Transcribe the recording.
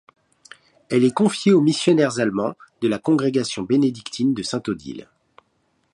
Elle est confiée aux missionnaires allemands de la congrégation bénédictine de Sainte-Odile.